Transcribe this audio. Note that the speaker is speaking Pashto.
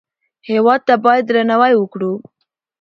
هېواد ته باید درناوی وکړو